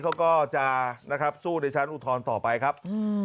เขาก็จะนะครับสู้ในชั้นอุทธรณ์ต่อไปครับ